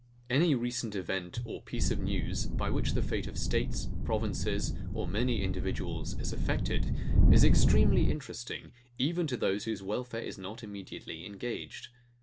Any recent event or piece of news, by which the fate of states, provinces, or many individuals is affected, is extremely interesting even to those whose welfare is not immediately engaged.